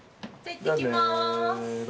いってきます。